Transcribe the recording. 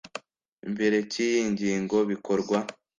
mbere cy iyi ngingo bikorwa